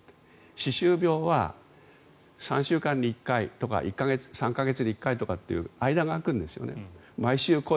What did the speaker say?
歯周病は３週間に１回とか１か月、３か月に１回とか間が空くんですよね。